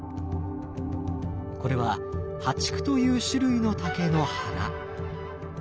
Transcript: これは淡竹という種類の竹の花。